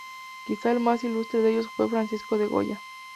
Quizá el más ilustre de ellos fue Francisco de Goya.